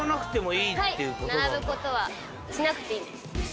はい並ぶことはしなくていいんです。